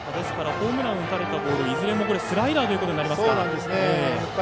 ホームランを打たれたボール、いずれもスライダーとなりますか。